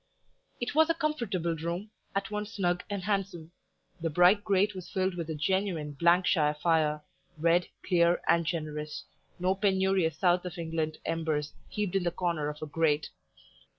It was a comfortable room, at once snug and handsome; the bright grate was filled with a genuine shire fire, red, clear, and generous, no penurious South of England embers heaped in the corner of a grate.